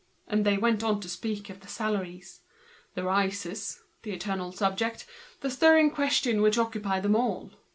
And they went on to speak of the salaries—the rises—the eternal subject, the stirring question which occupied them all.